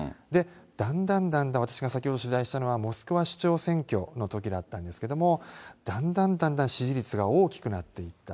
だんだんだんだん、私が先ほど取材したのは、モスクワ市長選挙のときだったんですけど、だんだんだんだん支持率が大きくなっていった。